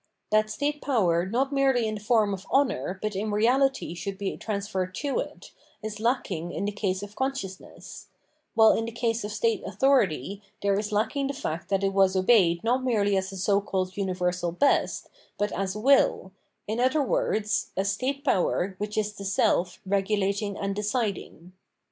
That state power not merely in the form of honour but in reahty should be transferred to it, is lacking in the case of conscious ness; while in the case of state authority there is lacking the fact that it was obeyed not merely as a so called universal best, but as will, in other words, as state power which is the self regulating and de ciding.